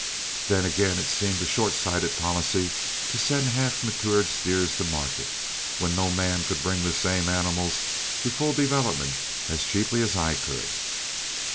Then again it seemed a short sighted policy to send half matured steers to market, when no man could bring the same animals to a full development as cheaply as I could.